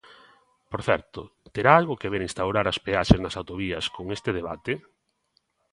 Por certo, ¿terá algo que ver instaurar as peaxes nas autovías con este debate?